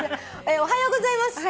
おはようございます。